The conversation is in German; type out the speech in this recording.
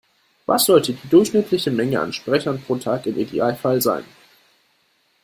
Was sollte die durchschnittliche Menge an Sprechern pro Tag im Idealfall sein?